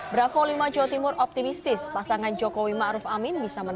bravo lima jawa timur optimistis pasangan jokowi ma'ruf amin bisa menangani